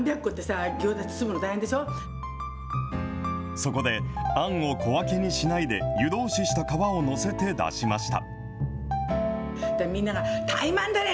そこで、あんを小分けにしないで、湯通しした皮を載せて出しました。